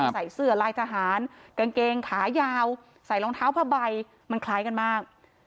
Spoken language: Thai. ใส่เสื้อลายทหารกางเกงขายาวใส่รองเท้าผ้าใบมันคล้ายกันมาก